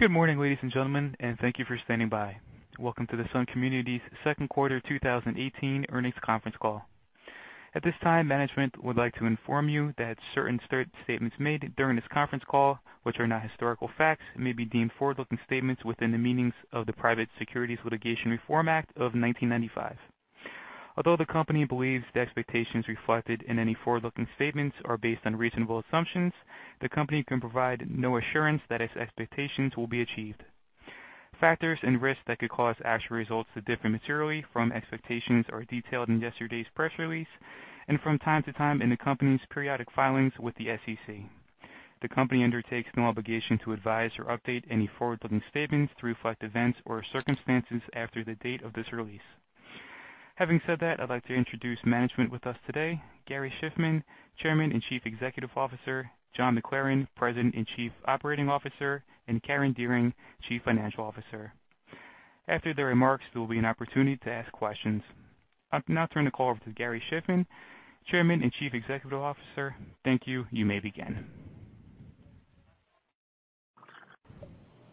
Good morning, ladies and gentlemen, and thank you for standing by. Welcome to the Sun Communities second quarter 2018 earnings conference call. At this time, management would like to inform you that certain statements made during this conference call, which are not historical facts, may be deemed forward-looking statements within the meaning of the Private Securities Litigation Reform Act of 1995. Although the company believes the expectations reflected in any forward-looking statements are based on reasonable assumptions, the company can provide no assurance that its expectations will be achieved. Factors and risks that could cause actual results to differ materially from expectations are detailed in yesterday's press release and from time to time in the company's periodic filings with the SEC. The company undertakes no obligation to advise or update any forward-looking statements to reflect events or circumstances after the date of this release. Having said that, I'd like to introduce management with us today, Gary Shiffman, Chairman and Chief Executive Officer, John McLaren, President and Chief Operating Officer, and Karen Dearing, Chief Financial Officer. After their remarks, there will be an opportunity to ask questions. I'll now turn the call over to Gary Shiffman, Chairman and Chief Executive Officer. Thank you. You may begin.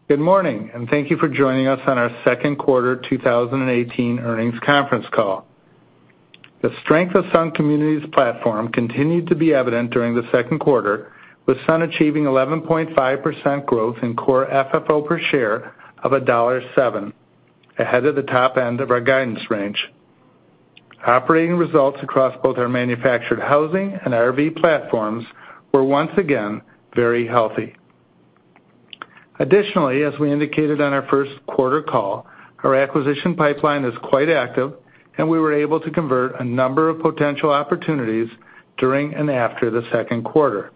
Good morning, and thank you for joining us on our second quarter 2018 earnings conference call. The strength of Sun Communities' platform continued to be evident during the second quarter, with Sun achieving 11.5% growth in core FFO per share of $1.07, ahead of the top end of our guidance range. Operating results across both our manufactured housing and RV platforms were once again very healthy. As we indicated on our first quarter call, our acquisition pipeline is quite active, and we were able to convert a number of potential opportunities during and after the second quarter.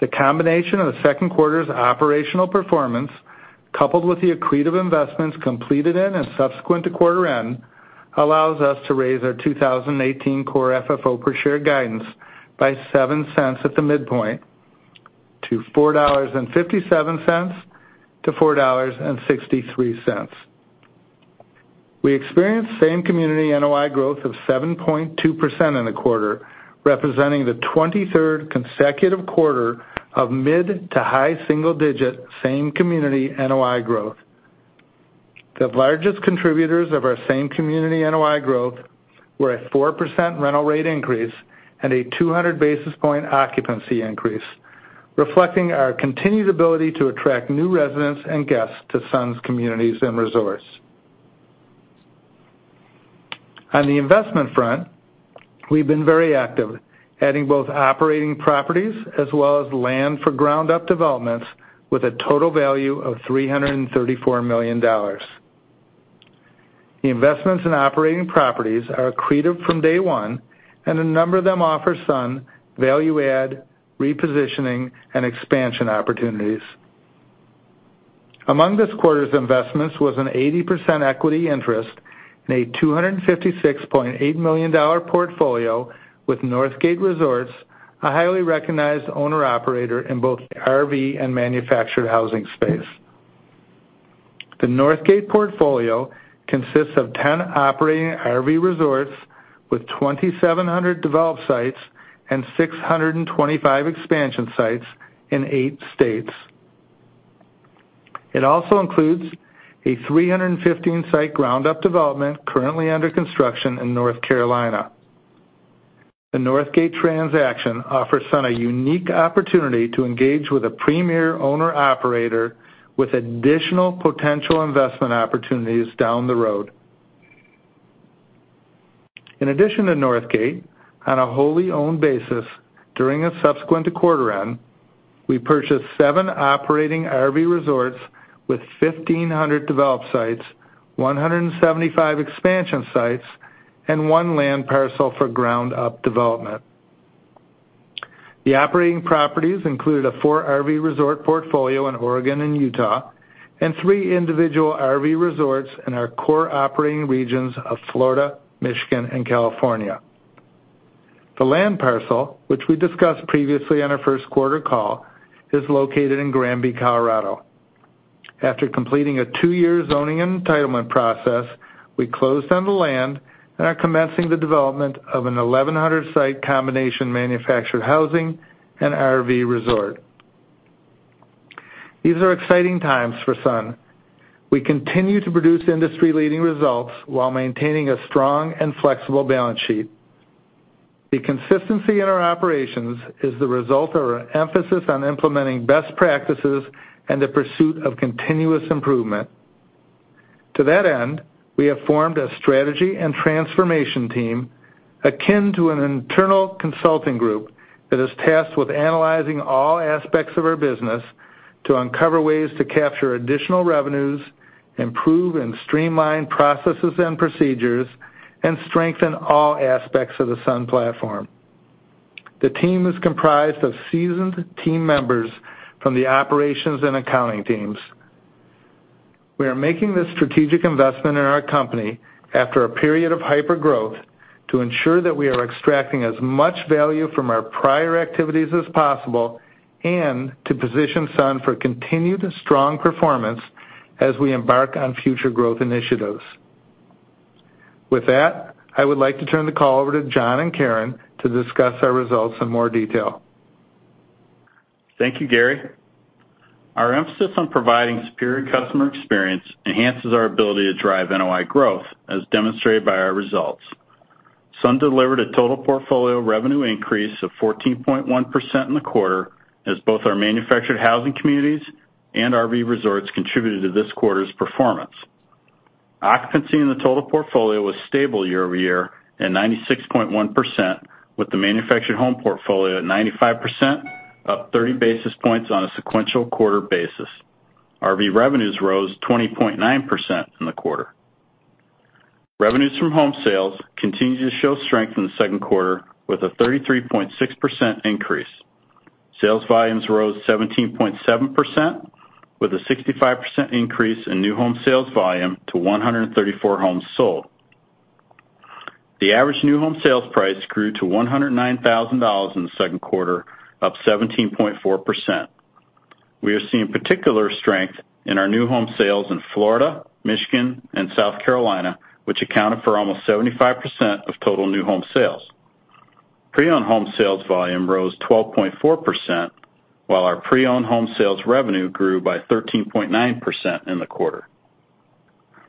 The combination of the second quarter's operational performance, coupled with the accretive investments completed in and subsequent to quarter end, allows us to raise our 2018 core FFO per share guidance by $0.07 at the midpoint to $4.57-$4.63. We experienced same community NOI growth of 7.2% in the quarter, representing the 23rd consecutive quarter of mid to high single-digit same community NOI growth. The largest contributors of our same community NOI growth were a 4% rental rate increase and a 200-basis point occupancy increase, reflecting our continued ability to attract new residents and guests to Sun's communities and resorts. On the investment front, we've been very active, adding both operating properties as well as land for ground-up developments with a total value of $334 million. The investments in operating properties are accretive from day one, and a number of them offer Sun value add, repositioning, and expansion opportunities. Among this quarter's investments was an 80% equity interest in a $256.8 million portfolio with Northgate Resorts, a highly recognized owner/operator in both RV and manufactured housing space. The Northgate portfolio consists of 10 operating RV resorts with 2,700 developed sites and 625 expansion sites in eight states. It also includes a 315-site ground-up development currently under construction in North Carolina. The Northgate transaction offers Sun a unique opportunity to engage with a premier owner/operator with additional potential investment opportunities down the road. In addition to Northgate, on a wholly owned basis, during a subsequent to quarter end, we purchased seven operating RV resorts with 1,500 developed sites, 175 expansion sites, and one land parcel for ground-up development. The operating properties include a four RV resort portfolio in Oregon and Utah, and three individual RV resorts in our core operating regions of Florida, Michigan, and California. The land parcel, which we discussed previously on our first quarter call, is located in Granby, Colorado. After completing a two-year zoning and entitlement process, we closed on the land and are commencing the development of an 1,100-site combination manufactured housing and RV resort. These are exciting times for Sun. We continue to produce industry-leading results while maintaining a strong and flexible balance sheet. The consistency in our operations is the result of our emphasis on implementing best practices and the pursuit of continuous improvement. To that end, we have formed a strategy and transformation team akin to an internal consulting group that is tasked with analyzing all aspects of our business to uncover ways to capture additional revenues, improve and streamline processes and procedures, and strengthen all aspects of the Sun platform. The team is comprised of seasoned team members from the operations and accounting teams. We are making this strategic investment in our company after a period of hypergrowth to ensure that we are extracting as much value from our prior activities as possible and to position Sun for continued strong performance as we embark on future growth initiatives. With that, I would like to turn the call over to John and Karen to discuss our results in more detail. Thank you, Gary. Our emphasis on providing superior customer experience enhances our ability to drive NOI growth, as demonstrated by our results. Sun delivered a total portfolio revenue increase of 14.1% in the quarter, as both our manufactured housing communities and RV resorts contributed to this quarter's performance. Occupancy in the total portfolio was stable year-over-year at 96.1%, with the manufactured home portfolio at 95%, up 30 basis points on a sequential quarter basis. RV revenues rose 20.9% in the quarter. Revenues from home sales continue to show strength in the second quarter, with a 33.6% increase. Sales volumes rose 17.7%, with a 65% increase in new home sales volume to 134 homes sold. The average new home sales price grew to $109,000 in the second quarter, up 17.4%. We are seeing particular strength in our new home sales in Florida, Michigan, and South Carolina, which accounted for almost 75% of total new home sales. Pre-owned home sales volume rose 12.4%, while our pre-owned home sales revenue grew by 13.9% in the quarter.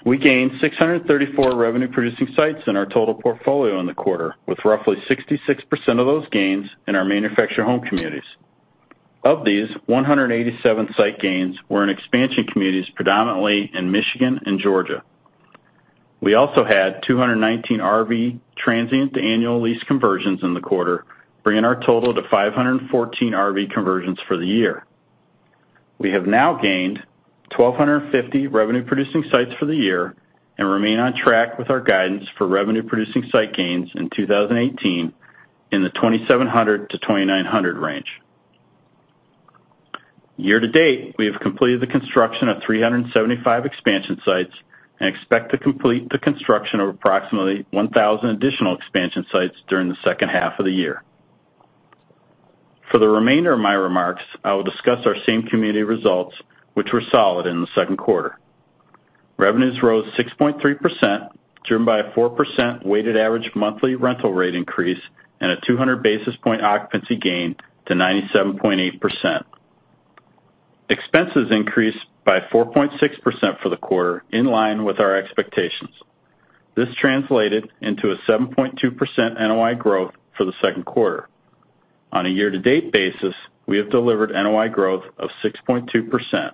We gained 634 revenue-producing sites in our total portfolio in the quarter, with roughly 66% of those gains in our manufactured home communities. Of these, 187 site gains were in expansion communities, predominantly in Michigan and Georgia. We also had 219 RV transient to annual lease conversions in the quarter, bringing our total to 514 RV conversions for the year. We have now gained 1,250 revenue-producing sites for the year and remain on track with our guidance for revenue-producing site gains in 2018 in the 2,700-2,900 range. Year-to-date, we have completed the construction of 375 expansion sites and expect to complete the construction of approximately 1,000 additional expansion sites during the second half of the year. For the remainder of my remarks, I will discuss our same community results, which were solid in the second quarter. Revenues rose 6.3%, driven by a 4% weighted average monthly rental rate increase and a 200 basis point occupancy gain to 97.8%. Expenses increased by 4.6% for the quarter, in line with our expectations. This translated into a 7.2% NOI growth for the second quarter. On a year-to-date basis, we have delivered NOI growth of 6.2%.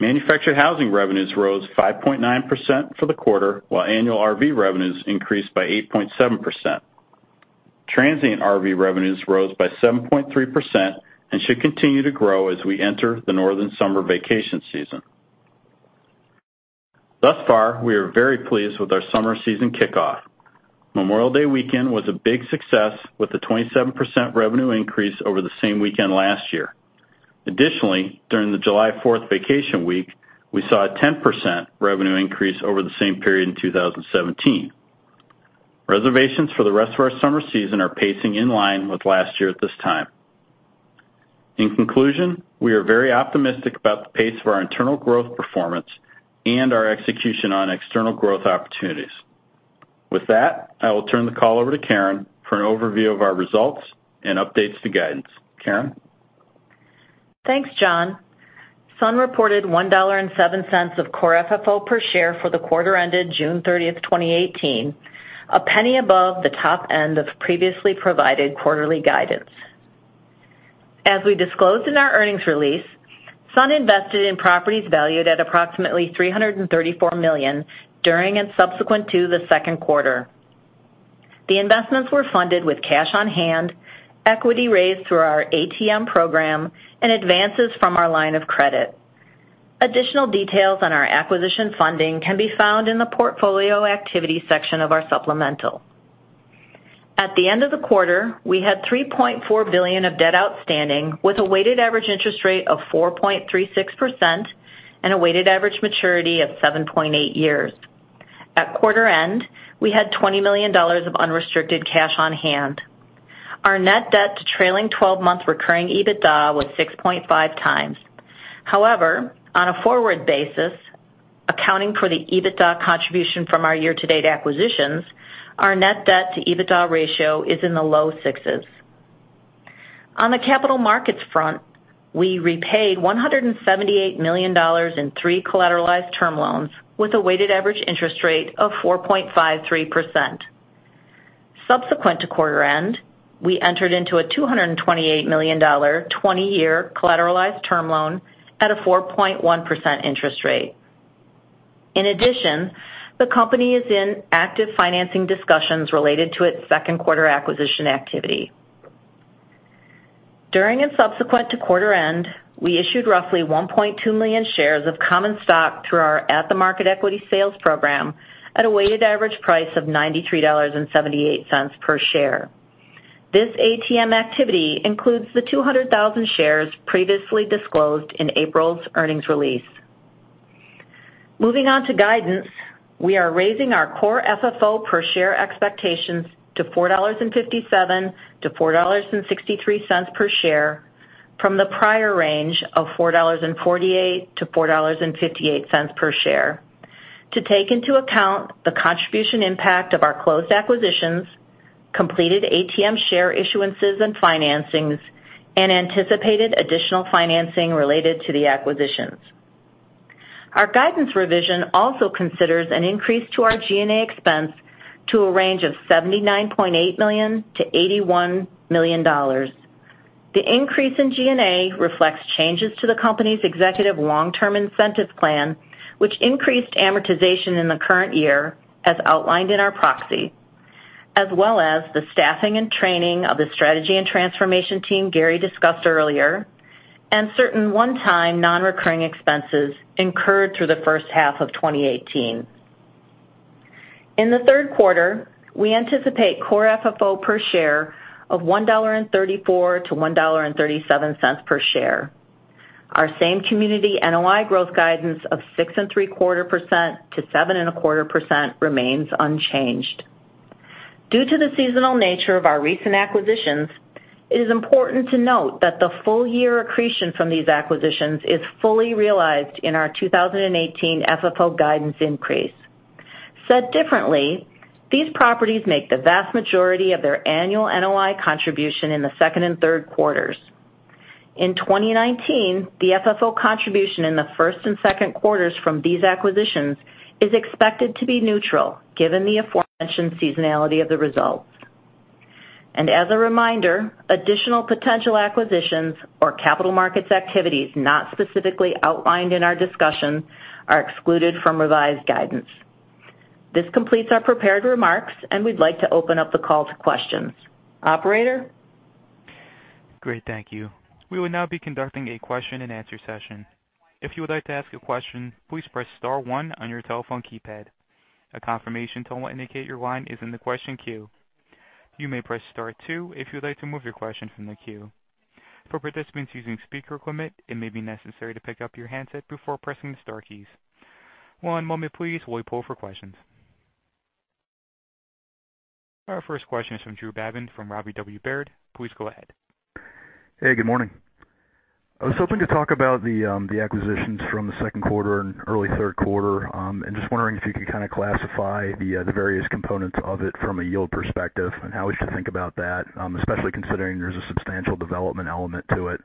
Manufactured housing revenues rose 5.9% for the quarter, while annual RV revenues increased by 8.7%. Transient RV revenues rose by 7.3% and should continue to grow as we enter the northern summer vacation season. Thus far, we are very pleased with our summer season kickoff. Memorial Day weekend was a big success with a 27% revenue increase over the same weekend last year. Additionally, during the July 4th vacation week, we saw a 10% revenue increase over the same period in 2017. Reservations for the rest of our summer season are pacing in line with last year at this time. In conclusion, we are very optimistic about the pace of our internal growth performance and our execution on external growth opportunities. With that, I will turn the call over to Karen for an overview of our results and updates to guidance. Karen? Thanks, John. Sun reported $1.07 of core FFO per share for the quarter ended June 30th, 2018, a penny above the top end of previously provided quarterly guidance. As we disclosed in our earnings release, Sun invested in properties valued at approximately $334 million during and subsequent to the second quarter. The investments were funded with cash on hand, equity raised through our ATM program, and advances from our line of credit. Additional details on our acquisition funding can be found in the portfolio activity section of our supplemental. At the end of the quarter, we had $3.4 billion of debt outstanding with a weighted average interest rate of 4.36% and a weighted average maturity of 7.8 years. At quarter end, we had $20 million of unrestricted cash on hand. Our net debt to trailing 12-month recurring EBITDA was 6.5 times. However, on a forward basis, accounting for the EBITDA contribution from our year-to-date acquisitions, our net debt to EBITDA ratio is in the low sixes. On the capital markets front, we repaid $178 million in three collateralized term loans with a weighted average interest rate of 4.53%. Subsequent to quarter-end, we entered into a $228 million 20-year collateralized term loan at a 4.1% interest rate. In addition, the company is in active financing discussions related to its second quarter acquisition activity. During and subsequent to quarter-end, we issued roughly 1.2 million shares of common stock through our at-the-market equity sales program at a weighted average price of $93.78 per share. This ATM activity includes the 200,000 shares previously disclosed in April's earnings release. Moving on to guidance, we are raising our core FFO per share expectations to $4.57-$4.63 per share. From the prior range of $4.48-$4.58 per share. To take into account the contribution impact of our closed acquisitions, completed ATM share issuances and financings, and anticipated additional financing related to the acquisitions. Our guidance revision also considers an increase to our G&A expense to a range of $79.8 million-$81 million. The increase in G&A reflects changes to the company's executive long-term incentives plan, which increased amortization in the current year as outlined in our proxy, as well as the staffing and training of the strategy and transformation team Gary discussed earlier, and certain one-time non-recurring expenses incurred through the first half of 2018. In the third quarter, we anticipate core FFO per share of $1.34-$1.37 per share. Our same community NOI growth guidance of 6.75%-7.25% remains unchanged. Due to the seasonal nature of our recent acquisitions, it is important to note that the full-year accretion from these acquisitions is fully realized in our 2018 FFO guidance increase. Said differently, these properties make the vast majority of their annual NOI contribution in the second and third quarters. In 2019, the FFO contribution in the first and second quarters from these acquisitions is expected to be neutral, given the aforementioned seasonality of the results. As a reminder, additional potential acquisitions or capital markets activities not specifically outlined in our discussion are excluded from revised guidance. This completes our prepared remarks, and we'd like to open up the call to questions. Operator? Great. Thank you. We will now be conducting a question-and-answer session. If you would like to ask a question, please press star one on your telephone keypad. A confirmation tone will indicate your line is in the question queue. You may press star two if you'd like to move your question from the queue. For participants using speaker equipment, it may be necessary to pick up your handset before pressing the star keys. One moment please while we pull for questions. Our first question is from Drew Babin from Robert W. Baird. Please go ahead. Hey, good morning. I was hoping to talk about the acquisitions from the second quarter and early third quarter. Just wondering if you could kind of classify the various components of it from a yield perspective and how we should think about that, especially considering there's a substantial development element to it.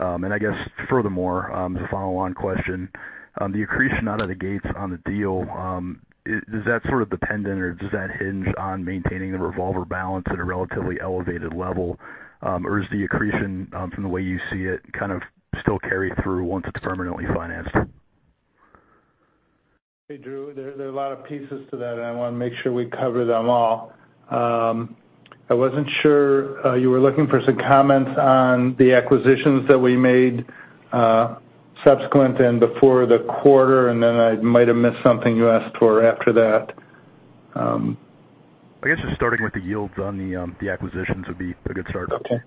I guess furthermore, as a follow-on question, the accretion out of the gates on the deal, does that sort of depend on or does that hinge on maintaining the revolver balance at a relatively elevated level? Is the accretion, from the way you see it, kind of still carry through once it's permanently financed? Hey, Drew. There are a lot of pieces to that, and I want to make sure we cover them all. I wasn't sure you were looking for some comments on the acquisitions that we made subsequent and before the quarter, and then I might have missed something you asked for after that. I guess just starting with the yields on the acquisitions would be a good start. Okay.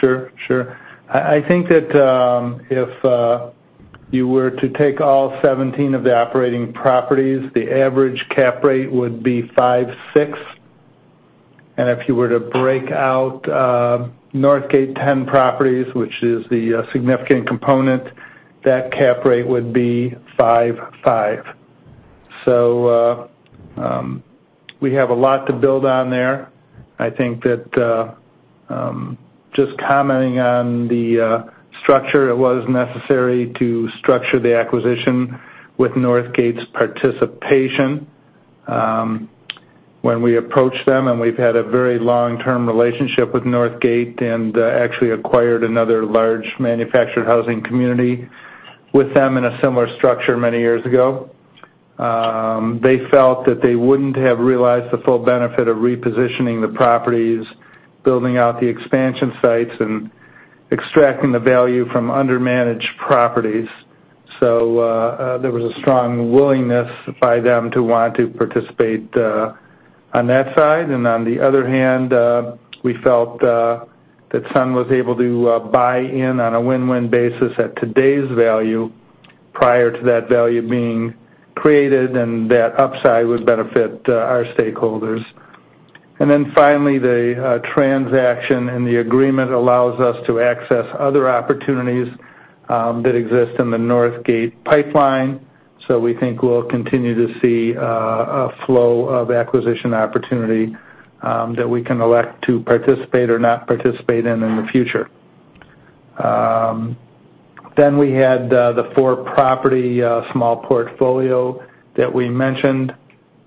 Sure. I think that if you were to take all 17 of the operating properties, the average cap rate would be five six. If you were to break out Northgate 10 properties, which is the significant component, that cap rate would be five five. We have a lot to build on there. I think that just commenting on the structure, it was necessary to structure the acquisition with Northgate's participation. When we approached them, we've had a very long-term relationship with Northgate and actually acquired another large manufactured housing community with them in a similar structure many years ago. They felt that they wouldn't have realized the full benefit of repositioning the properties, building out the expansion sites, and extracting the value from undermanaged properties. There was a strong willingness by them to want to participate on that side. On the other hand, we felt that Sun was able to buy in on a win-win basis at today's value prior to that value being created, and that upside would benefit our stakeholders. Finally, the transaction and the agreement allows us to access other opportunities that exist in the Northgate pipeline. We think we'll continue to see a flow of acquisition opportunity that we can elect to participate or not participate in the future. We had the four-property small portfolio that we mentioned,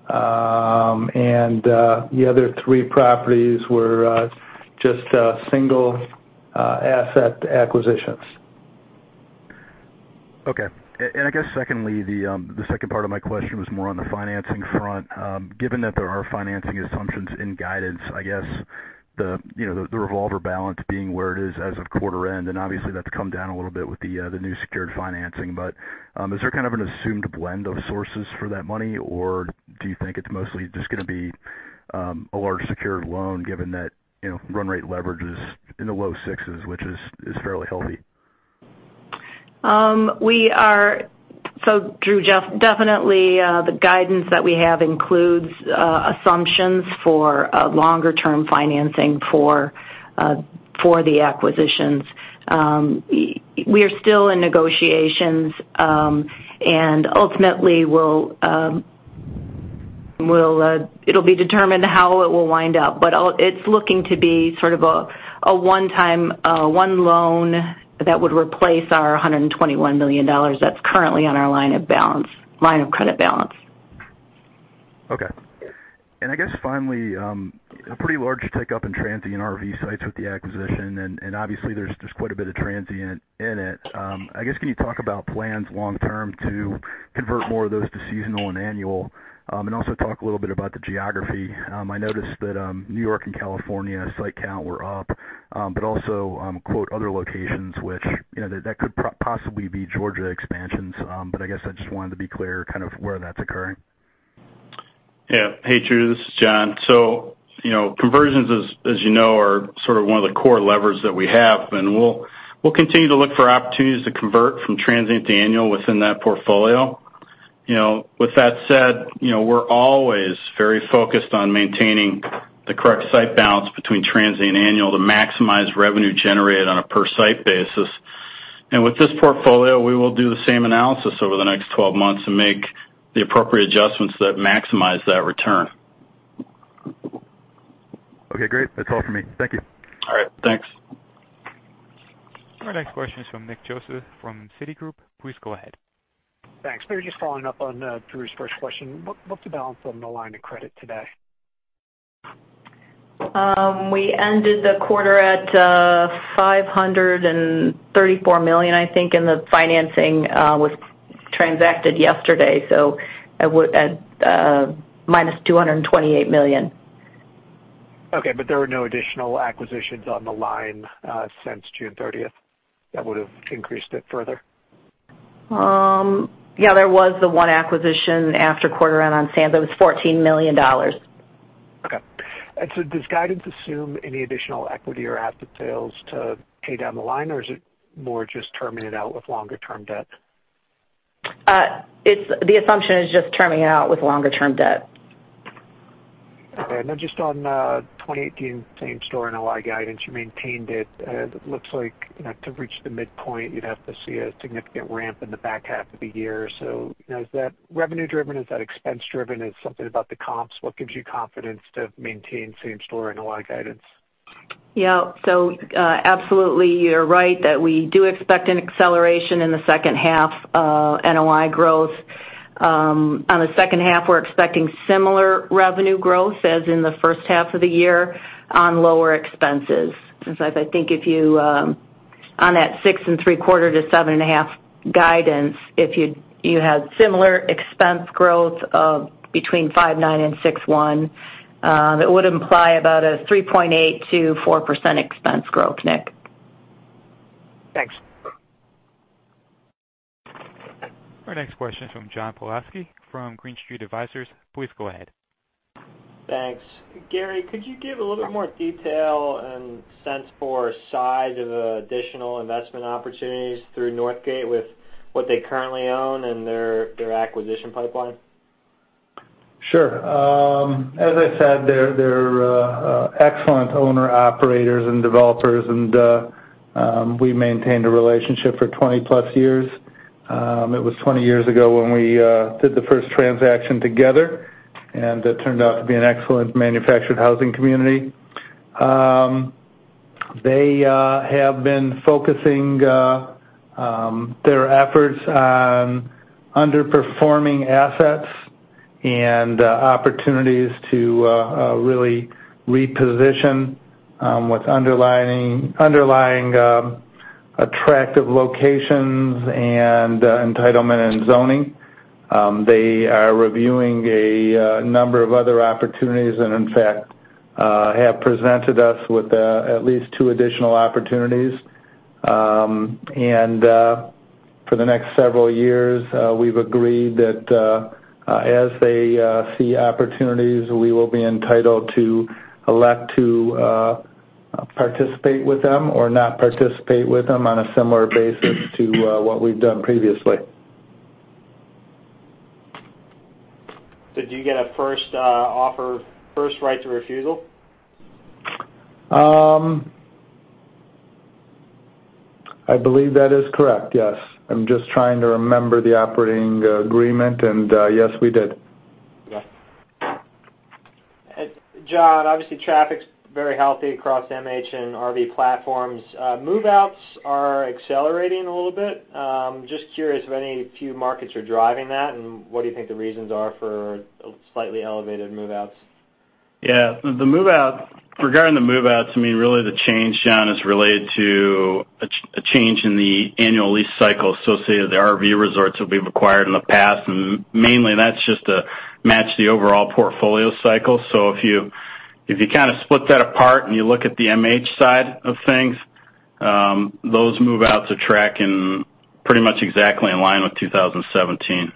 and the other three properties were just single asset acquisitions. Okay. I guess secondly, the second part of my question was more on the financing front. Given that there are financing assumptions in guidance, I guess, the revolver balance being where it is as of quarter end, and obviously that's come down a little bit with the new secured financing. Is there kind of an assumed blend of sources for that money, or do you think it's mostly just going to be a large secured loan given that run rate leverage is in the low sixes, which is fairly healthy? Drew, definitely the guidance that we have includes assumptions for longer-term financing for the acquisitions. We are still in negotiations, ultimately, it'll be determined how it will wind up, it's looking to be sort of a one-time, one loan that would replace our $121 million that's currently on our line of credit balance. Okay. I guess finally, a pretty large tick up in transient RV sites with the acquisition, obviously there's quite a bit of transient in it. I guess, can you talk about plans long term to convert more of those to seasonal and annual? Also talk a little bit about the geography. I noticed that N.Y. and California site count were up, also "other locations," which that could possibly be Georgia expansions. I guess I just wanted to be clear kind of where that's occurring. Yeah. Hey, Drew, this is John. Conversions, as you know, are sort of one of the core levers that we have. We'll continue to look for opportunities to convert from transient to annual within that portfolio. With that said, we're always very focused on maintaining the correct site balance between transient and annual to maximize revenue generated on a per site basis. With this portfolio, we will do the same analysis over the next 12 months and make the appropriate adjustments that maximize that return. Okay, great. That's all for me. Thank you. All right, thanks. Our next question is from Nicholas Joseph from Citigroup. Please go ahead. Thanks. Maybe just following up on Drew's first question, what's the balance on the line of credit today? We ended the quarter at $534 million, I think, and the financing was transacted yesterday, so at minus $228 million. Okay. There were no additional acquisitions on the line since June 30th that would've increased it further? Yeah, there was the one acquisition after quarter end on Sands. It was $14 million. Okay. Does guidance assume any additional equity or asset sales to pay down the line, or is it more just terming it out with longer-term debt? The assumption is just terming it out with longer-term debt. All right. Just on 2018 same-store NOI guidance, you maintained it. It looks like to reach the midpoint, you'd have to see a significant ramp in the back half of the year. Is that revenue driven? Is that expense driven? Is it something about the comps? What gives you confidence to maintain same-store NOI guidance? Yeah. Absolutely, you're right that we do expect an acceleration in the second half NOI growth. On the second half, we're expecting similar revenue growth as in the first half of the year on lower expenses, since I think on that six and three-quarter to seven and a half guidance, if you had similar expense growth of between 5.9 and 6.1, it would imply about a 3.8%-4% expense growth, Nick. Thanks. Our next question is from John Pawlowski from Green Street Advisors. Please go ahead. Thanks. Gary, could you give a little bit more detail and sense for size of additional investment opportunities through Northgate with what they currently own and their acquisition pipeline? Sure. As I said, they're excellent owner operators and developers, and we maintained a relationship for 20 plus years. It was 20 years ago when we did the first transaction together, and that turned out to be an excellent manufactured housing community. They have been focusing their efforts on underperforming assets and opportunities to really reposition with underlying attractive locations and entitlement and zoning. They are reviewing a number of other opportunities and, in fact, have presented us with at least two additional opportunities. For the next several years, we've agreed that as they see opportunities, we will be entitled to elect to participate with them or not participate with them on a similar basis to what we've done previously. Do you get a first right to refusal? I believe that is correct, yes. I'm just trying to remember the operating agreement, and yes, we did. Okay. John, obviously traffic's very healthy across MH and RV platforms. Move-outs are accelerating a little bit. I'm just curious if any few markets are driving that, and what do you think the reasons are for slightly elevated move-outs? Yeah. Regarding the move-outs, I mean, really the change, John, is related to a change in the annual lease cycle associated with the RV resorts that we've acquired in the past, and mainly that's just to match the overall portfolio cycle. If you kind of split that apart and you look at the MH side of things, those move-outs are tracking pretty much exactly in line with 2017.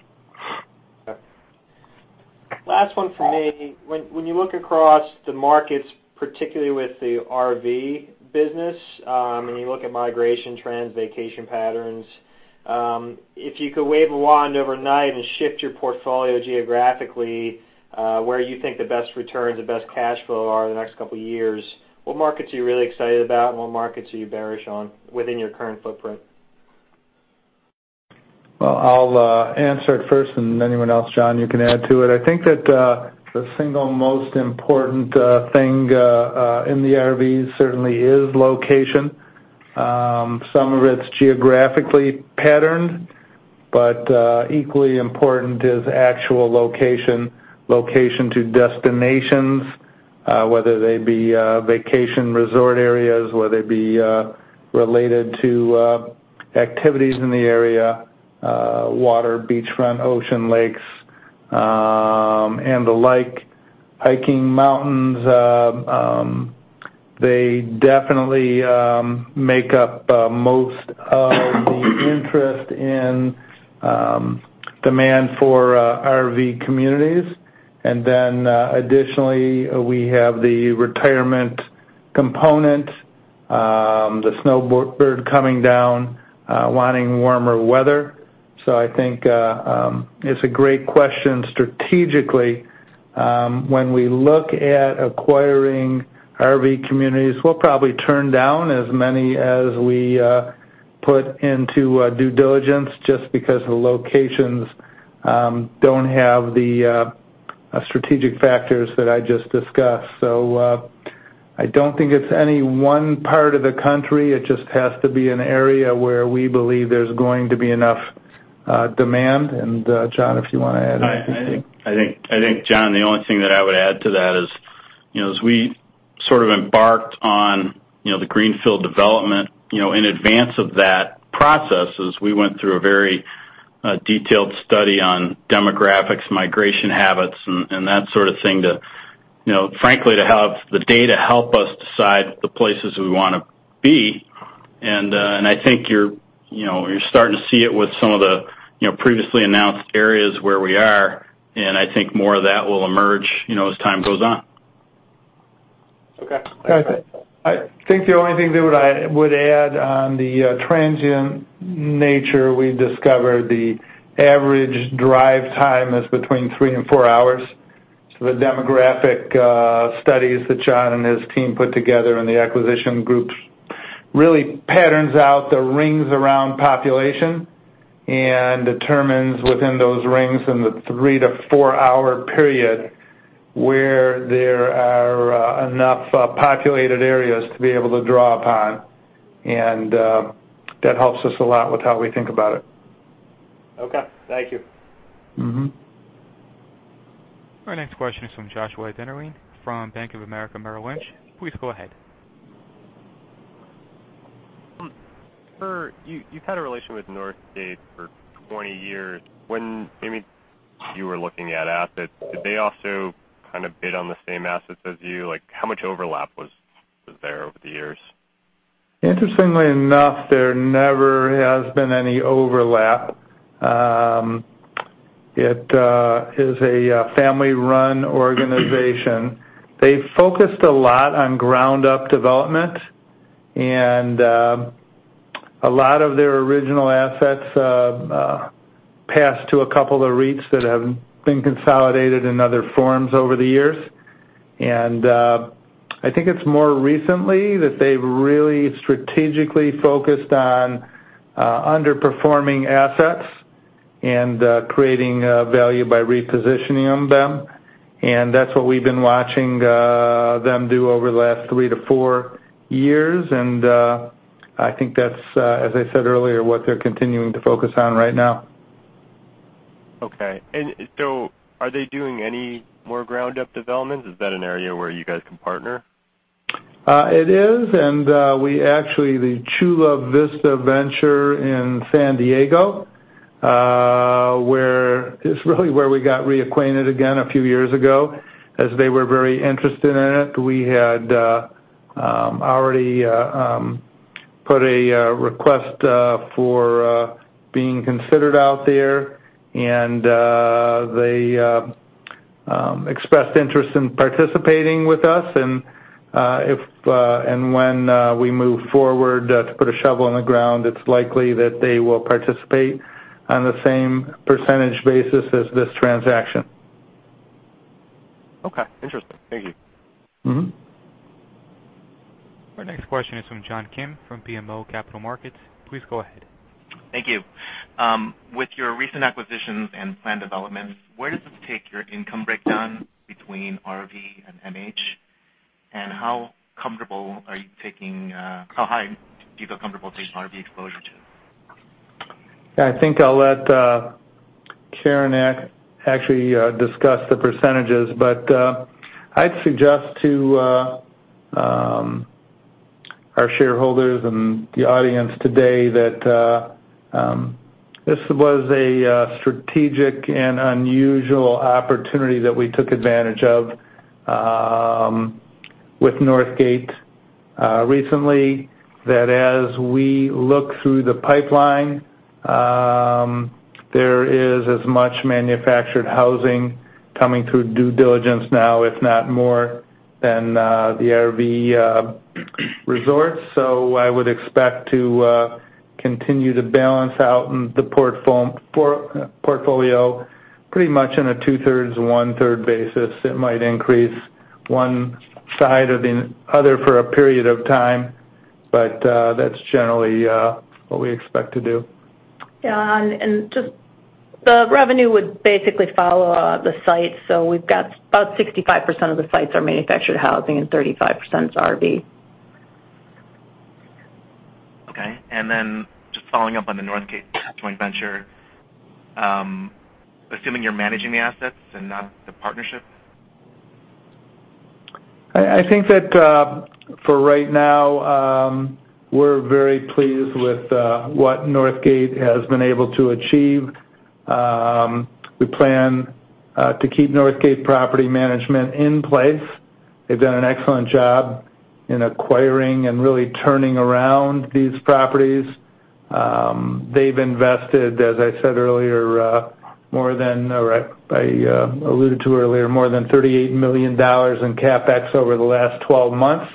Last one for me. When you look across the markets, particularly with the RV business, and you look at migration trends, vacation patterns, if you could wave a wand overnight and shift your portfolio geographically, where you think the best returns, the best cash flow are the next couple of years, what markets are you really excited about, and what markets are you bearish on within your current footprint? Well, I'll answer it first, and anyone else, John, you can add to it. I think that the single most important thing in the RVs certainly is location. Some of it's geographically patterned, but equally important is actual location to destinations, whether they be vacation resort areas, whether they be related to activities in the area, water, beachfront, ocean lakes, and the like, hiking mountains. They definitely make up most of the interest in demand for RV communities. Additionally, we have the retirement component, the snowbird coming down wanting warmer weather. I think it's a great question strategically. When we look at acquiring RV communities, we'll probably turn down as many as we put into due diligence just because the locations don't have the strategic factors that I just discussed. I don't think it's any one part of the country. It just has to be an area where we believe there's going to be enough demand, and John, if you want to add anything. I think, John, the only thing that I would add to that is, as we sort of embarked on the greenfield development, in advance of that process, we went through a very detailed study on demographics, migration habits and that sort of thing, frankly, to have the data help us decide the places we want to be. I think you're starting to see it with some of the previously announced areas where we are, and I think more of that will emerge as time goes on. Okay. I think the only thing that I would add on the transient nature we discovered the average drive time is between three and four hours. The demographic studies that John and his team put together and the acquisition groups really patterns out the rings around population and determines within those rings in the three to four-hour period where there are enough populated areas to be able to draw upon. That helps us a lot with how we think about it. Okay. Thank you. Our next question is from Joshua Dennerlein from Bank of America Merrill Lynch. Please go ahead. Sir, you've had a relation with Northgate for 20 years. When maybe you were looking at assets, did they also kind of bid on the same assets as you? Like, how much overlap was there over the years? Interestingly enough, there never has been any overlap. It is a family-run organization. They focused a lot on ground-up development, and a lot of their original assets passed to a couple of REITs that have been consolidated in other forms over the years. I think it's more recently that they've really strategically focused on underperforming assets and creating value by repositioning them. That's what we've been watching them do over the last three to four years. I think that's, as I said earlier, what they're continuing to focus on right now. Okay. Are they doing any more ground-up development? Is that an area where you guys can partner? It is, we actually, the Chula Vista venture in San Diego, it's really where we got reacquainted again a few years ago, as they were very interested in it. We had already put a request for being considered out there, and they expressed interest in participating with us. When we move forward to put a shovel on the ground, it's likely that they will participate on the same percentage basis as this transaction. Okay. Interesting. Thank you. Our next question is from John Kim from BMO Capital Markets. Please go ahead. Thank you. With your recent acquisitions and planned developments, where does this take your income breakdown between RV and MH? How high do you feel comfortable taking RV exposure to? I think I'll let Karen actually discuss the percentages. I'd suggest to our shareholders and the audience today that this was a strategic and unusual opportunity that we took advantage of. With Northgate recently, that as we look through the pipeline, there is as much manufactured housing coming through due diligence now, if not more, than the RV resorts. I would expect to continue to balance out in the portfolio pretty much in a two-thirds, one-third basis. It might increase one side or the other for a period of time, that's generally what we expect to do. Yeah, just the revenue would basically follow the site. We've got about 65% of the sites are manufactured housing and 35% is RV. Okay. Just following up on the Northgate joint venture, assuming you're managing the assets and not the partnership? I think that for right now, we're very pleased with what Northgate has been able to achieve. We plan to keep Northgate Property Management in place. They've done an excellent job in acquiring and really turning around these properties. They've invested, as I said earlier, I alluded to earlier, more than $38 million in CapEx over the last 12 months.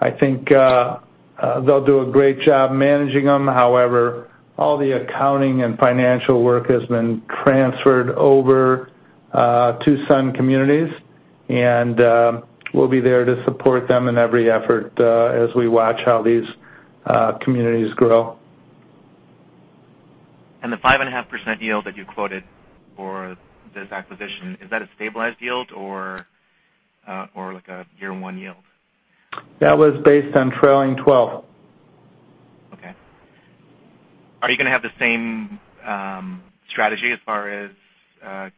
I think they'll do a great job managing them. However, all the accounting and financial work has been transferred over to Sun Communities, and we'll be there to support them in every effort as we watch how these communities grow. The 5.5% yield that you quoted for this acquisition, is that a stabilized yield or like a year one yield? That was based on trailing 12. Okay. Are you going to have the same strategy as far as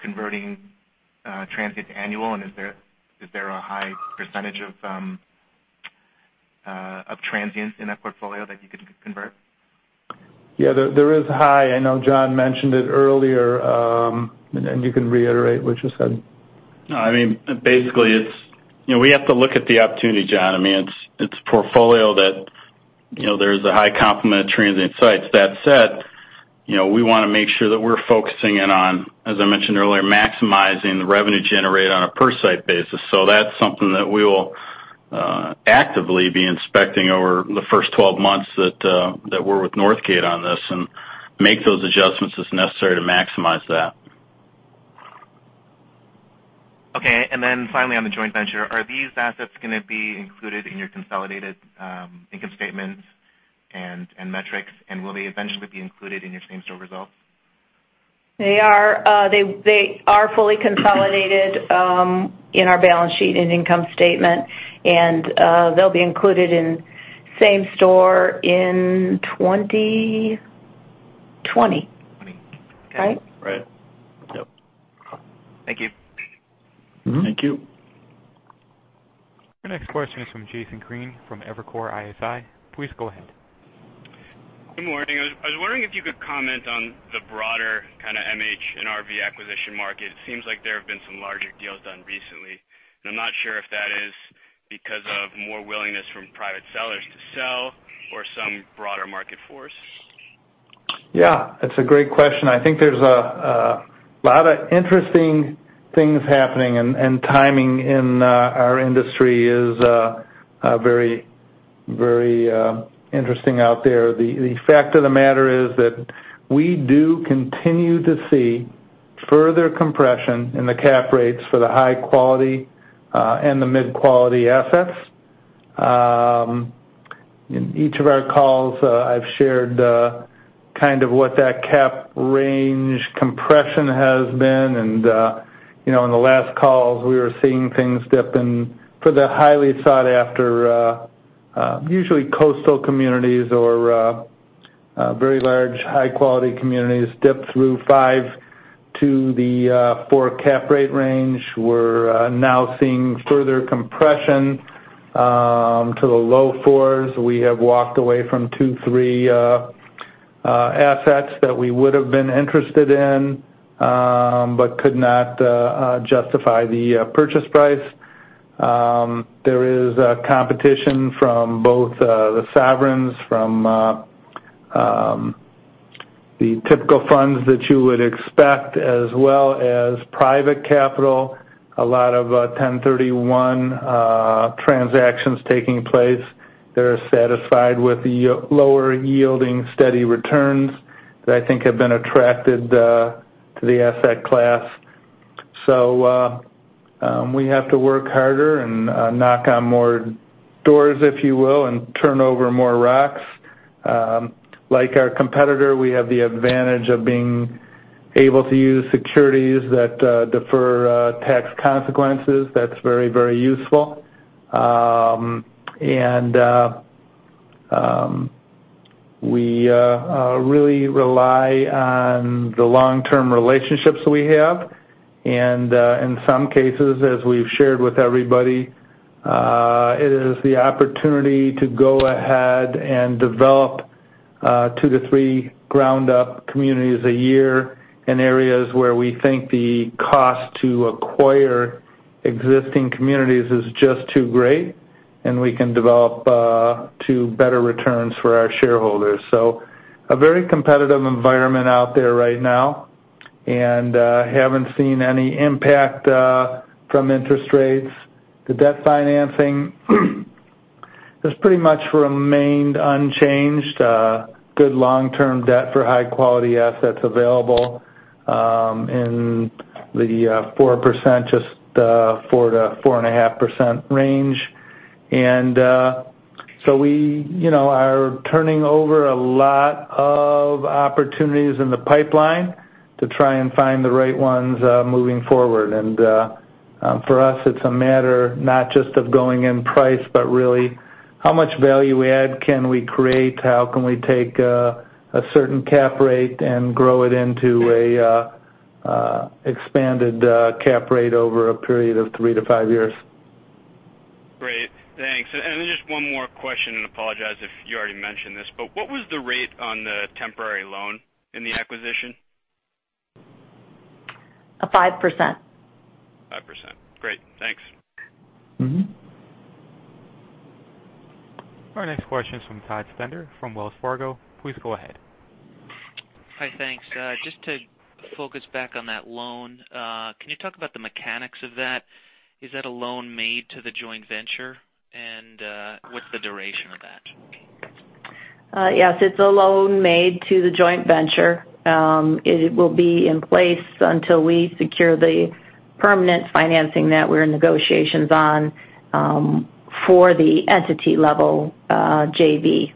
converting transient to annual, is there a high percentage of transients in that portfolio that you could convert? Yeah, there is high. I know John mentioned it earlier. You can reiterate what you said. No, basically, we have to look at the opportunity, John. It's a portfolio that there's a high complement of transient sites. That said, we want to make sure that we're focusing in on, as I mentioned earlier, maximizing the revenue generated on a per site basis. That's something that we will actively be inspecting over the first 12 months that we're with Northgate on this, and make those adjustments as necessary to maximize that. Okay, then finally on the joint venture, are these assets going to be included in your consolidated income statements and metrics? Will they eventually be included in your same-store results? They are fully consolidated in our balance sheet and income statement. They'll be included in same-store in 2020. 2020. Right? Right. Yep. Thank you. Thank you. Your next question is from Jason Green from Evercore ISI. Please go ahead. Good morning. I was wondering if you could comment on the broader kind of MH and RV acquisition market. It seems like there have been some larger deals done recently, and I'm not sure if that is because of more willingness from private sellers to sell or some broader market force. Yeah, that's a great question. I think there's a lot of interesting things happening, and timing in our industry is very interesting out there. The fact of the matter is that we do continue to see further compression in the cap rates for the high quality and the mid quality assets. In each of our calls, I've shared kind of what that cap range compression has been, and in the last calls, we were seeing things dip in for the highly sought after, usually coastal communities or very large high quality communities, dip through five to the four cap rate range. We're now seeing further compression to the low 4s. We have walked away from two, three assets that we would've been interested in but could not justify the purchase price. There is competition from both the sovereigns, from the typical funds that you would expect, as well as private capital. A lot of 1031 transactions taking place that are satisfied with the lower yielding steady returns that I think have been attracted to the asset class. We have to work harder and knock on more doors, if you will, and turn over more rocks. Like our competitor, we have the advantage of being able to use securities that defer tax consequences. That's very useful. We really rely on the long-term relationships we have. In some cases, as we've shared with everybody, it is the opportunity to go ahead and develop two to three ground-up communities a year in areas where we think the cost to acquire existing communities is just too great, and we can develop to better returns for our shareholders. A very competitive environment out there right now, haven't seen any impact from interest rates. The debt financing has pretty much remained unchanged. Good long-term debt for high-quality assets available in the 4%, just 4%-4.5% range. We are turning over a lot of opportunities in the pipeline to try and find the right ones moving forward. For us, it's a matter not just of going in price, but really how much value we add can we create, how can we take a certain cap rate and grow it into an expanded cap rate over a period of three to five years. Great. Thanks. Just one more question, apologize if you already mentioned this, what was the rate on the temporary loan in the acquisition? 5%. 5%. Great. Thanks. Our next question is from Todd Stender from Wells Fargo. Please go ahead. Hi. Thanks. Just to focus back on that loan, can you talk about the mechanics of that? Is that a loan made to the joint venture? What's the duration of that? Yes, it's a loan made to the joint venture. It will be in place until we secure the permanent financing that we're in negotiations on for the entity-level JV.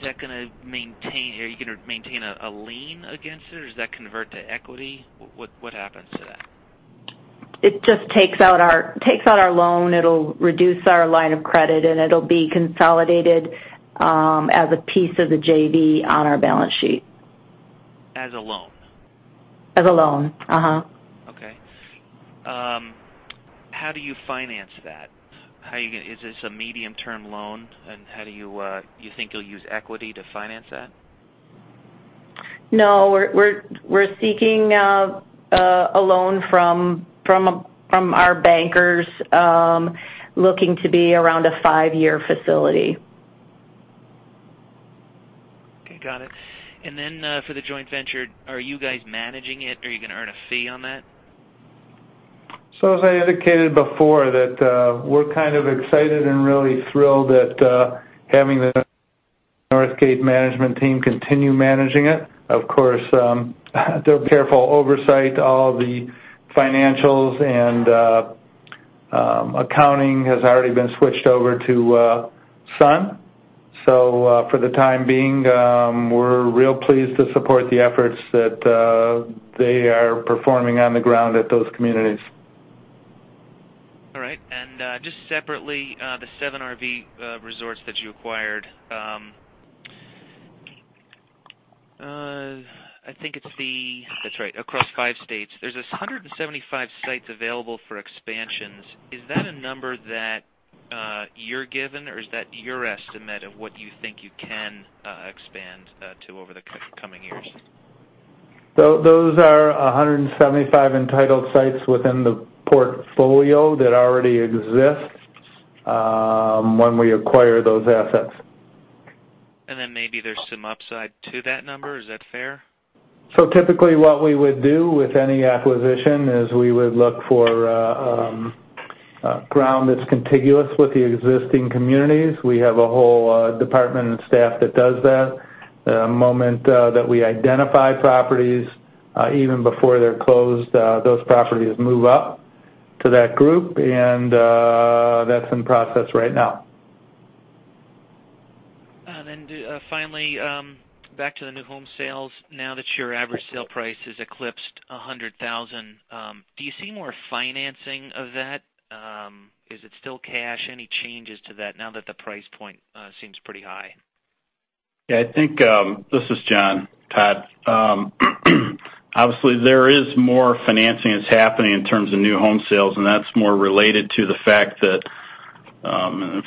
Are you going to maintain a lien against it, or does that convert to equity? What happens to that? It just takes out our loan, it'll reduce our line of credit, and it'll be consolidated as a piece of the JV on our balance sheet. As a loan? As a loan. Okay. How do you finance that? Is this a medium-term loan, do you think you'll use equity to finance that? No. We're seeking a loan from our bankers, looking to be around a five-year facility. Okay. Got it. Then for the joint venture, are you guys managing it? Are you going to earn a fee on that? As I indicated before that we're kind of excited and really thrilled at having the Northgate management team continue managing it. Of course, they're careful oversight. All the financials and accounting has already been switched over to Sun. For the time being, we're real pleased to support the efforts that they are performing on the ground at those communities. All right. Just separately, the seven RV resorts that you acquired. That's right, across five states. There's this 175 sites available for expansions. Is that a number that you're given, or is that your estimate of what you think you can expand to over the coming years? Those are 175 entitled sites within the portfolio that already exist when we acquire those assets. Then maybe there's some upside to that number. Is that fair? Typically, what we would do with any acquisition is we would look for ground that's contiguous with the existing communities. We have a whole department and staff that does that. The moment that we identify properties, even before they're closed, those properties move up to that group, and that's in process right now. Finally, back to the new home sales. Now that your average sale price has eclipsed $100,000, do you see more financing of that? Is it still cash? Any changes to that now that the price point seems pretty high? This is John, Todd. There is more financing that's happening in terms of new home sales, and that's more related to the fact that,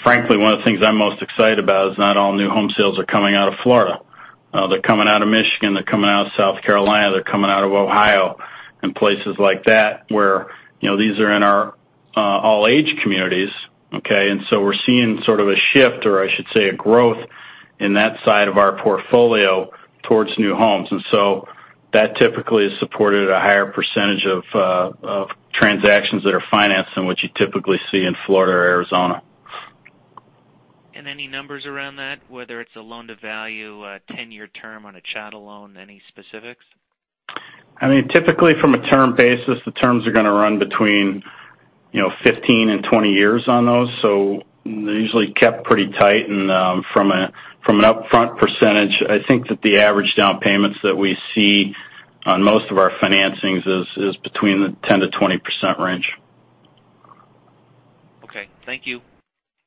frankly, one of the things I'm most excited about is not all new home sales are coming out of Florida. They're coming out of Michigan, they're coming out of South Carolina, they're coming out of Ohio and places like that, where these are in our all-age communities. Okay. We're seeing sort of a shift, or I should say a growth, in that side of our portfolio towards new homes. That typically has supported a higher % of transactions that are financed than what you typically see in Florida or Arizona. Any numbers around that, whether it's a loan-to-value, a 10-year term on a chattel loan, any specifics? I mean, typically from a term basis, the terms are going to run between 15 and 20 years on those. They're usually kept pretty tight. From an upfront percentage, I think that the average down payments that we see on most of our financings is between the 10%-20% range. Okay. Thank you.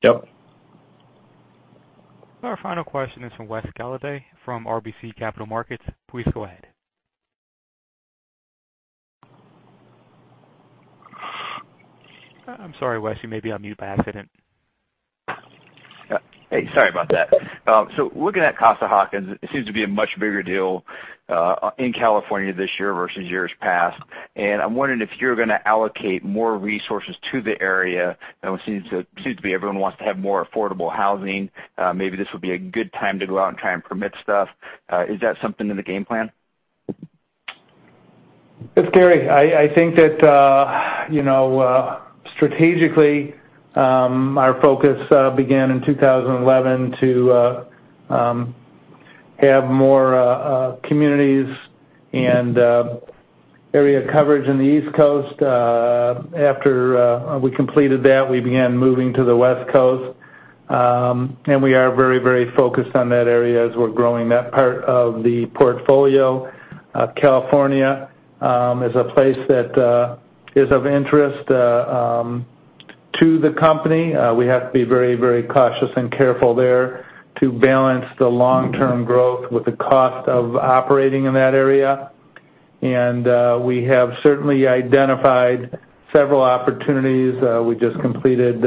Yep. Our final question is from Wes Golladay from RBC Capital Markets. Please go ahead. I'm sorry, Wes, you may be on mute by accident. Hey, sorry about that. Looking at Costa-Hawkins, it seems to be a much bigger deal in California this year versus years past, I'm wondering if you're going to allocate more resources to the area. It seems to be everyone wants to have more affordable housing. Maybe this would be a good time to go out and try and permit stuff. Is that something in the game plan? It's Gary. I think that strategically, our focus began in 2011 to have more communities and area coverage in the East Coast. After we completed that, we began moving to the West Coast, we are very focused on that area as we're growing that part of the portfolio. California is a place that is of interest to the company. We have to be very cautious and careful there to balance the long-term growth with the cost of operating in that area, we have certainly identified several opportunities. We just completed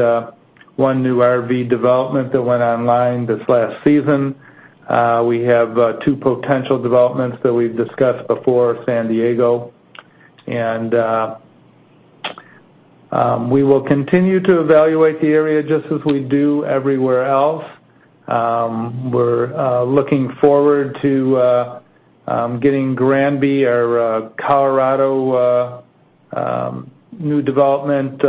one new RV development that went online this last season. We have two potential developments that we've discussed before San Diego, we will continue to evaluate the area just as we do everywhere else. We're looking forward to getting Granby, our Colorado new development,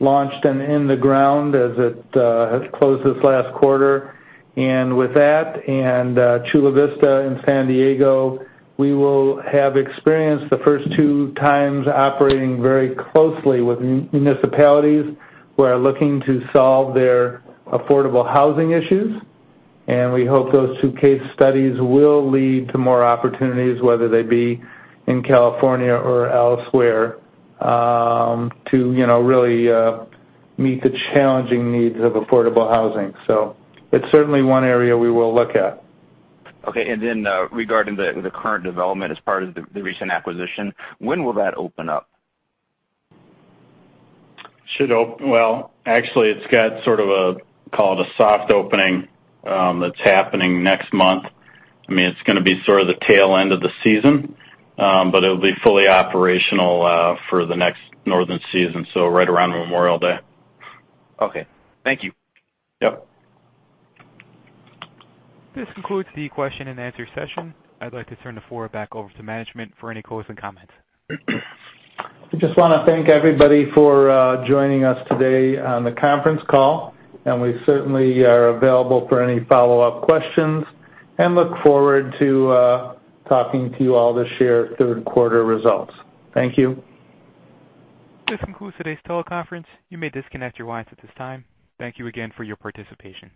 launched and in the ground as it has closed this last quarter. With that and Chula Vista in San Diego, we will have experienced the first two times operating very closely with municipalities who are looking to solve their affordable housing issues, we hope those two case studies will lead to more opportunities, whether they be in California or elsewhere, to really meet the challenging needs of affordable housing. It's certainly one area we will look at. Regarding the current development as part of the recent acquisition, when will that open up? It's got sort of a, call it a soft opening that's happening next month. It's going to be sort of the tail end of the season, but it'll be fully operational for the next northern season, right around Memorial Day. Okay. Thank you. Yep. This concludes the question and answer session. I'd like to turn the floor back over to management for any closing comments. I just want to thank everybody for joining us today on the conference call. We certainly are available for any follow-up questions and look forward to talking to you all this year at third quarter results. Thank you. This concludes today's teleconference. You may disconnect your lines at this time. Thank you again for your participation.